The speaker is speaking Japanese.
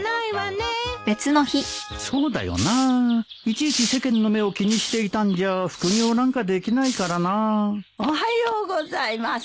いちいち世間の目を気にしていたんじゃ副業なんかできないからなぁおはようございます。